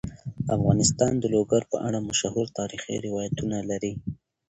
افغانستان د لوگر په اړه مشهور تاریخی روایتونه لري.